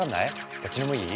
どっちでもいい？